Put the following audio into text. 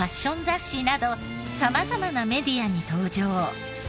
雑誌など様々なメディアに登場。